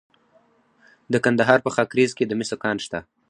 د کندهار په خاکریز کې د مسو کان شته.